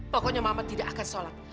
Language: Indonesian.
pokoknya maman tidak akan sholat